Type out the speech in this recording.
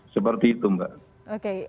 seperti itu mbak